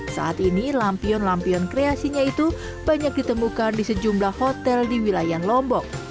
saat ini lampion lampion kreasinya itu banyak ditemukan di sejumlah hotel di wilayah lombok